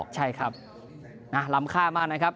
ใช่ครับล้ำค่ามากนะครับ